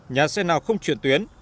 nhà xe nào không chuyển tuyến